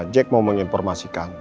jack mau menginformasikan